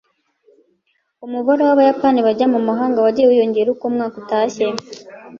Umubare w'Abayapani bajya mu mahanga wagiye wiyongera uko umwaka utashye.